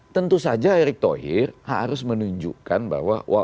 tentu saja erick thohir harus menunjukkan bahwa